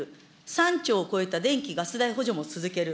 ３兆を超えた電気、ガス代補助も続ける。